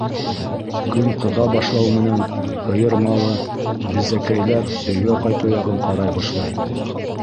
Көн ҡыҙа башлау менән һыйыр малы безәкәйләп өйгә ҡайтыу яғын ҡарай башлай.